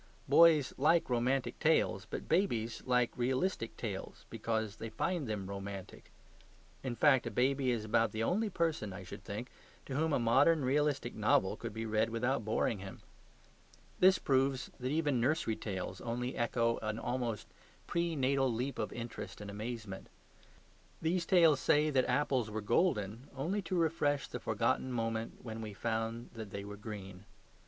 Boys like romantic tales; but babies like realistic tales because they find them romantic. In fact, a baby is about the only person, I should think, to whom a modern realistic novel could be read without boring him. This proves that even nursery tales only echo an almost pre natal leap of interest and amazement. These tales say that apples were golden only to refresh the forgotten moment when we found that they were green.